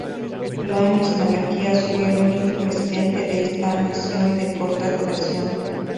Ioannis Malaquías fue el único presidente de esta nación de corta duración.